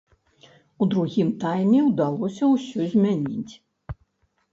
У другім тайме ўдалося ўсё змяніць.